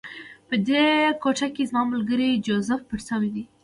په دې کوټه کې زما ملګری جوزف پټ شوی و